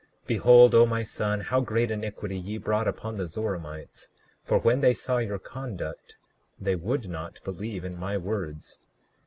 Behold, O my son, how great iniquity ye brought upon the Zoramites; for when they saw your conduct they would not believe in my words.